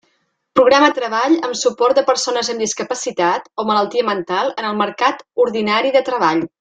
Programa treball amb suport de persones amb discapacitat o malaltia mental en el mercat ordinari de treball.